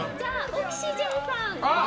オキシジェンさん。